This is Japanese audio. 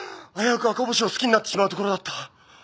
危うく赤星を好きになってしまうところだった。